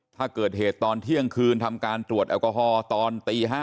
ถ้าเกิดเหตุตอนเที่ยงคืนทำการตรวจแอลกอฮอลตอนตี๕